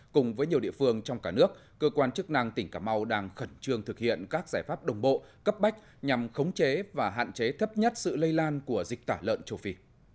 cùng với nhiều địa phương trong cả nước cơ quan chức năng tỉnh cà mau đang khẩn trương thực hiện các giải pháp đồng bộ cấp bách nhằm khống chế và hạn chế thấp nhất sự lây lan của dịch tả lợn châu phi